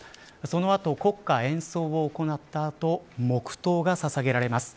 そのあと、国歌演奏を行ったあと黙祷が捧げられます。